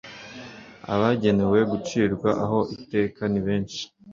abagenewe gucirwa ho iteka nibeshi.